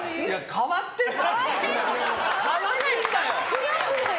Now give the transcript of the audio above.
変わってんだよ！